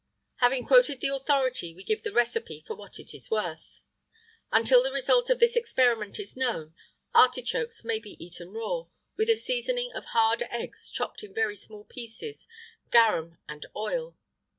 [IX 101] Having quoted the authority, we give the recipe for what it is worth. Until the result of this experiment is known, artichokes may be eaten raw, with a seasoning of hard eggs chopped in very small pieces, garum, and oil.